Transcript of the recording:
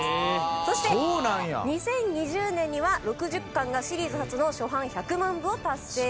そして２０２０年には６０巻がシリーズ初の初版１００万部を達成。